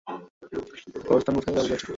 তোর অবস্থান কোথায় তা তোর বোঝা উচিত।